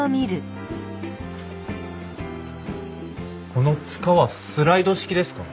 このつかはスライド式ですか？